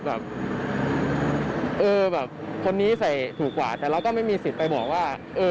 แบบเออแบบคนนี้ใส่ถูกกว่าแต่เราก็ไม่มีสิทธิ์ไปบอกว่าเออ